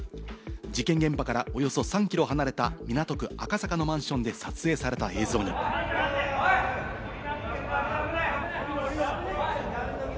事件現場からおよそ３キロ離れた港区赤坂のマンションで撮影された映像には。